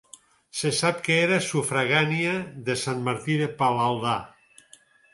Se sap que era sufragània de Sant Martí de Palaldà.